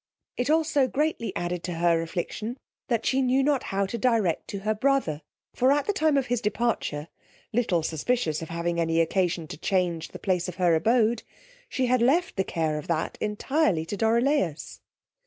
It also greatly added to her affliction that she knew not how to direct to her brother; for at the time of his departure, little suspicious of having any occasion to change the place of her abode, she had left the care of that entirely to Dorilaus.